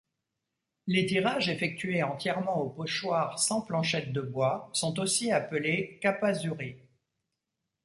Les tirages effectués entièrement au pochoir sans planchettes de bois sont aussi appelés kappazuri.